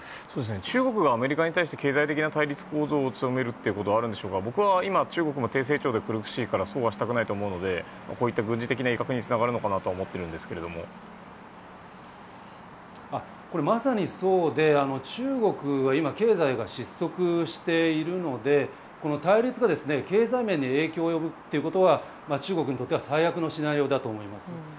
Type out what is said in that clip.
中国がアメリカに対して経済的な対立構造を強めるということはあるんでしょうが、僕は今中国も低成長で苦しいからそうはしたくないと思うので軍事的な威嚇にまさにそうで、中国は今経済が失速しているので対立が経済面に影響を及ぶということは中国にとっては最悪のシナリオだと思います。